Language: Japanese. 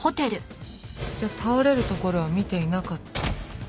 じゃあ倒れるところは見ていなかった？